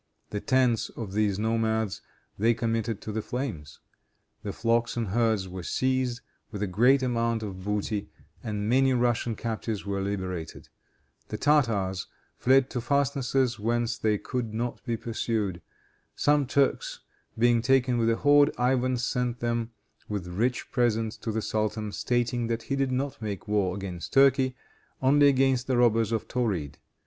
The tents of these nomads they committed to the flames. Their flocks and herds were seized, with a great amount of booty, and many Russian captives were liberated. The Tartars fled to fastnesses whence they could not be pursued. Some Turks being taken with the horde, Ivan sent them with rich presents to the sultan, stating that he did not make war against Turkey, only against the robbers of Tauride.